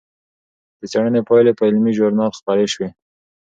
د څېړنې پایلې په علمي ژورنال خپرې شوې.